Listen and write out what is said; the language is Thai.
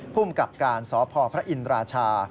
ภูมิกับการสพพระอินราชา